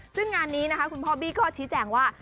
ซึ่งงานนี้นะคะคุณพ่อบี้ก็ชี้แจงว่า